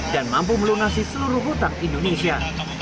dan mampu melunasi seluruh hutang indonesia